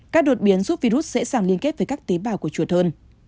các đột biến giúp virus dễ dàng liên kết với các tế bào của chùa hơn